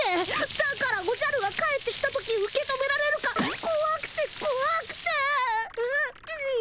だからおじゃるが帰ってきた時受け止められるかこわくてこわくてううう。